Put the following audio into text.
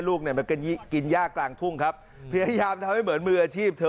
ลูกเนี่ยมากินย่ากลางทุ่งครับพยายามทำให้เหมือนมืออาชีพเธอ